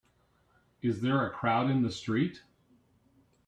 Is there a crowd in the street?